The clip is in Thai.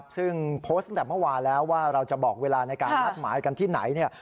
ซึ่งโพสต์ตั้งแต่เมื่อวานแล้วว่าเราจะบอกเวลาในการนัดหมายกันที่ไหน